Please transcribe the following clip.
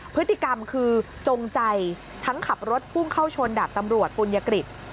พฤติกรรมคือจงใจทั้งขับรถพุ่งเข้าชนดาบตำรวจปุญยกฤษ